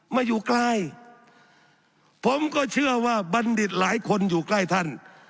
มาอยู่ไกลผมก็เชื่อว่าบัณฑิตหลายคนอยู่ใกล้ท่าน